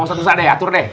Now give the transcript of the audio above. ustadz musa deh atur deh